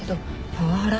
パワハラ？